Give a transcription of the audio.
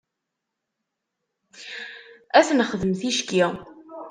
Ad t-nexdem ticki.